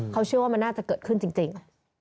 เขาเชื่อว่ามันน่าจะเกิดขึ้นจริง